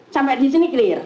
sampai di sini clear